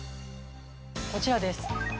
こちらです。